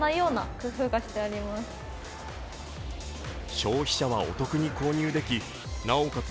消費者はお得に購入でき、なおかつ